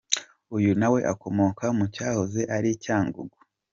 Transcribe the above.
Uyu nawe, akomoka mu cyahoze ari Cyangugu.